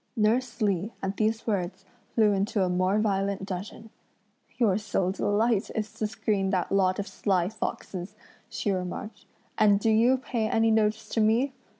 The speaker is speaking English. Nurse Li at these words flew into a more violent dudgeon. "Your sole delight is to screen that lot of sly foxes!" she remarked, "and do you pay any notice to me?